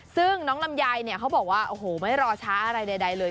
ซึ่งน้องลำไยเนี่ยเขาบอกว่าโอ้โหไม่รอช้าอะไรใดเลย